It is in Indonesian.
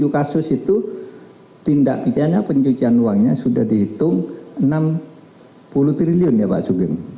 tujuh kasus itu tindak pidana pencucian uangnya sudah dihitung enam puluh triliun ya pak sugeng